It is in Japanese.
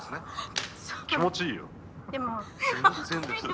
気持ちいいよ。